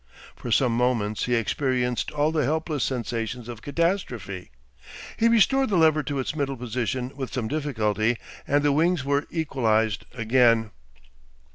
For some moments he experienced all the helpless sensations of catastrophe. He restored the lever to its middle position with some difficulty, and the wings were equalised again.